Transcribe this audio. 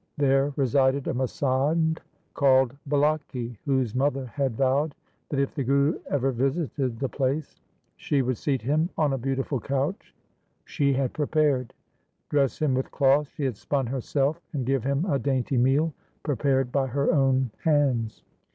There resided a masand called Bulaki whose mother had vowed that, if the Guru ever visited the place, she would seat him on a beautiful couch she had pre LIFE OF GURU TEG BAHADUR 353 pared, dress him with cloth she had spun herself, and give him a dainty meal prepared by her own hands.